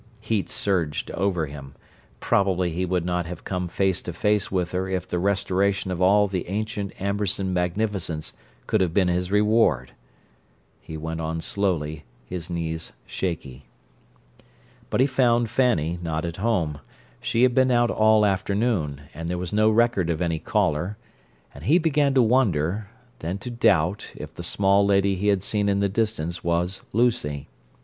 Heat surged over him: probably he would not have come face to face with her if the restoration of all the ancient Amberson magnificence could have been his reward. He went on slowly, his knees shaky. But he found Fanny not at home; she had been out all afternoon; and there was no record of any caller—and he began to wonder, then to doubt if the small lady he had seen in the distance was Lucy.